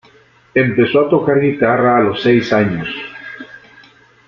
Empezó a tocar guitarra a los seis años.